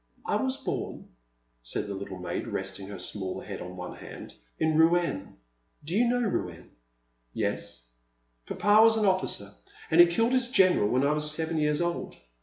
I was bom, said the little maid, resting her small head on one hand, ''in Rouen. Do you know Rouen?" '*Yes.'' '* Papa was an officer, and he killed his general when I was seven years old.